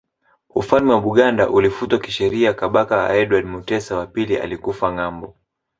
Ufalme wa Buganda ulifutwa kisheria Kabaka Edward Mutesa wa pili alikufa ngambo